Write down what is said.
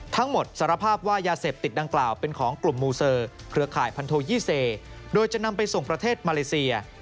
สารภาพว่ายาเสพติดดังกล่าวเป็นของกลุ่มมูเซอร์เครือข่ายพันโทยี่เซโดยจะนำไปส่งประเทศมาเลเซีย